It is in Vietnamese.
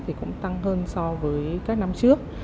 thì cũng tăng hơn so với các năm trước